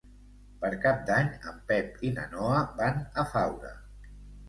Per Cap d'Any en Pep i na Noa van a Faura.